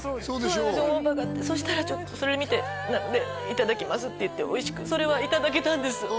そうですおもんぱかってそしたらちょっとそれ見て「いただきます」って言っておいしくそれはいただけたんです